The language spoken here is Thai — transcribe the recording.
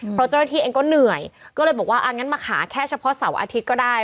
เพราะเจ้าหน้าที่เองก็เหนื่อยก็เลยบอกว่าอ่างั้นมาขาแค่เฉพาะเสาร์อาทิตย์ก็ได้